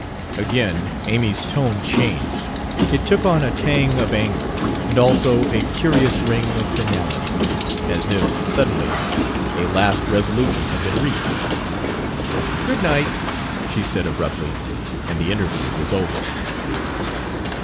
Again Amy's tone changed. It took on a tang of anger, and also a curious ring of finality as if, suddenly, a last resolution had been reached. "Good night," she said abruptly, and the interview was over.